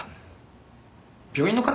病院の方？